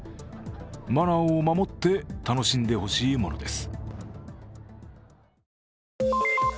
マナーを守って楽しんでほしいものです。